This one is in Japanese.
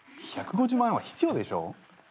１５０万円は必要でしょう。